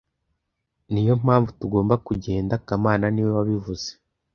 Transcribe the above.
Niyo mpamvu tugomba kugenda kamana niwe wabivuze